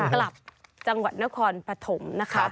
กลับจังหวัดนครปฐมนะคะ